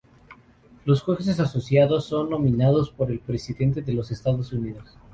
Los jueces asociados son nominados por el presidente de los Estados Unidos.